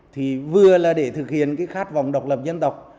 thì vừa là để thực hiện cái khát vọng độc lập dân tộc